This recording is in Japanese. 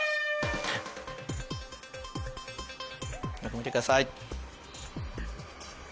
よく見てください。